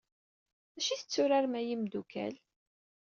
D acu i t-tturarem ay imdukal?